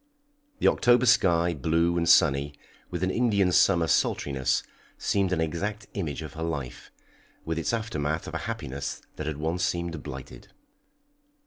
The October sky, blue and sunny, with an Indian summer sultriness, seemed an exact image of her life, with its aftermath of a happiness that had once seemed blighted.